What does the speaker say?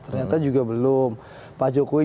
ternyata juga belum pak jokowi